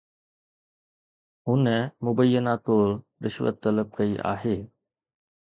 هن مبينا طور رشوت طلب ڪئي آهي